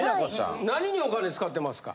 何にお金使ってますか？